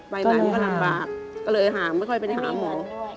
ไปไหนก็ลำบากก็เลยห่างไม่ค่อยไปห่างหรอกไม่ได้ห่างด้วย